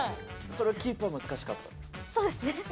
それはキープは難しかっそうですね。